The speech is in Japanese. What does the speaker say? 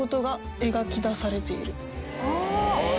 え